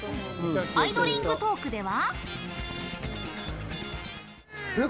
アイドリングトークでは。